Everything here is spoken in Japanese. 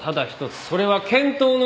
それは検討の型だ。